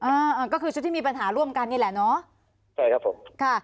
อ่าก็คือชุดที่มีปัญหาร่วมกันนี่แหละเนอะใช่ครับผมค่ะ